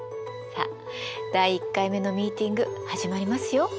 さあ第１回目のミーティング始まりますよ。